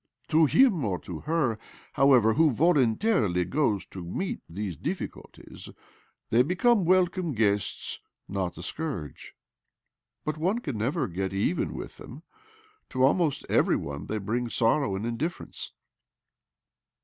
To him ox to her, however, who* voluntarily goes to meet those difficulties 2бо OBLOMOV they become welcome guests, not a scourge." " But one can never get even with them. To almost every one they bring sorrow and indifference."